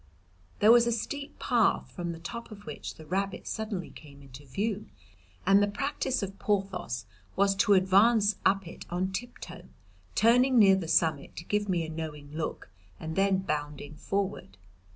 There was a steep path, from the top of which the rabbit suddenly came into view, and the practice of Porthos was to advance up it on tiptoe, turning near the summit to give me a knowing look and then bounding forward.